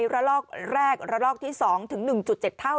ระลอกแรกระลอกที่๒ถึง๑๗เท่า